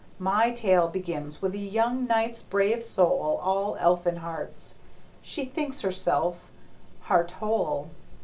My tale begins with the young knight's brave soul All Elfinhart's. She thinks herself heart whole.